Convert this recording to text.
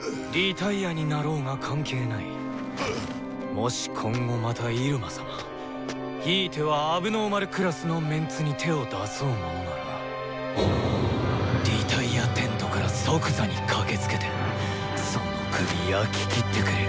もし今後また入間様ひいては問題児クラスのメンツに手を出そうものなら脱落テントから即座にかけつけてその首焼き切ってくれる。